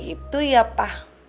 gitu ya pa